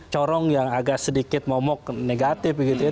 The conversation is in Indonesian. corong yang agak sedikit momok negatif begitu ya